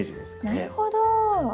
なるほど。